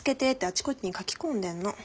あちこちに書き込んでんの。